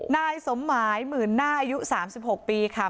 นายสมหมายหมื่นหน้าอายุ๓๖ปีค่ะ